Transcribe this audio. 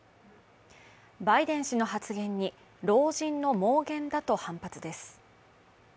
バイデン氏の発言に老人の妄言だと反発です。